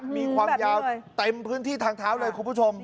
มีความยาวเต็มพื้นที่ทางเท้าเลยคุณผู้ชม